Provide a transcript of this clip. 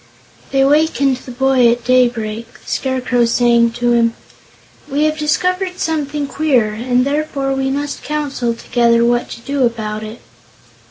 They wakened the boy at daybreak, the Scarecrow saying to him: "We have discovered something queer, and therefore we must counsel together what to do about it."